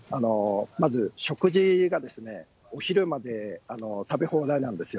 まず食事が、お昼まで食べ放題なんですよ。